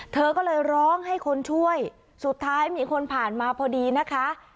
เธอก็เลยร้องให้คนช่วยสุดท้ายมีคนผ่านมาพอดีนะคะ